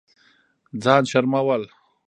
ځان شرمول